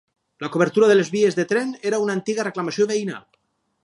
La cobertura de les vies de tren era una antiga reclamació veïnal.